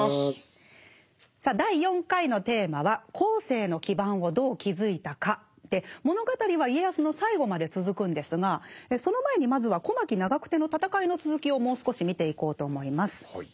さあ第４回の物語は家康の最期まで続くんですがその前にまずは小牧・長久手の戦いの続きをもう少し見ていこうと思います。